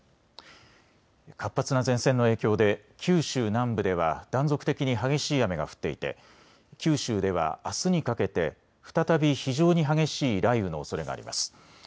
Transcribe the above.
活発な前線の影響で九州南部では断続的に激しい雨が降っていて九州ではあすにかけて再び非常に激しい雷雨のおそれがあります。